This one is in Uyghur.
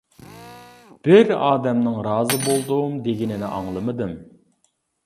بىر ئادەمنىڭ رازى بولدۇم دېگىنىنى ئاڭلىمىدىم.